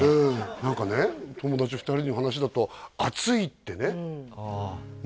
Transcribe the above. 何かね友達２人の話だと熱いってね